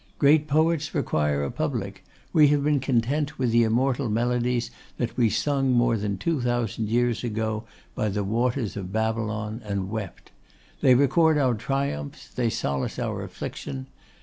Great poets require a public; we have been content with the immortal melodies that we sung more than two thousand years ago by the waters of Babylon and wept. They record our triumphs; they solace our affliction.